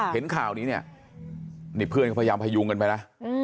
เห็นข่าวนี้เนี่ยนี่เพื่อนก็พยายามพยุงกันไปนะ